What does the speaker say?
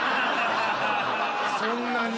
そんなに？